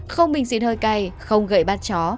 không bình xuyên hơi cay không gậy bắt chó